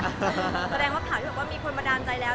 แสดงว่าถามอยู่เพราะว่ามีคนมาด้านใจแล้ว